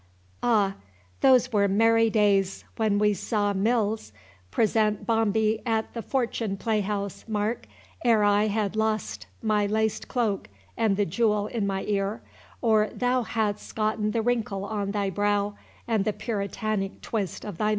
Ah! those were merry days when we saw Mills present Bomby at the Fortune playhouse, Mark, ere I had lost my laced cloak and the jewel in my ear, or thou hadst gotten the wrinkle on thy brow, and the puritanic twist of thy mustache!"